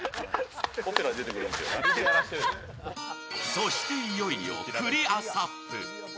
そしていよいよクリアＳＵＰ。